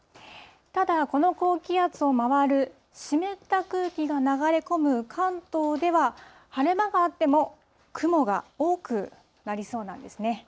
ただ、この高気圧を回る湿った空気が流れ込む関東では、晴れ間があっても雲が多くなりそうなんですね。